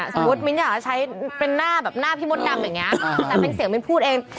สมมุติมิ้นอยากจะใช้เป็นหน้าแบบหน้าพี่มดดำอย่างนี้แต่เป็นเสียงมิ้นพูดเอง